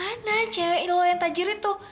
ah lucky mana cewe lu yang tak jerit tuh